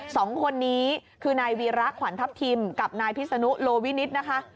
สองคนนี้คือนายวีระขวัญทัพทิมกับนายพิศนุโลวินิตนะคะ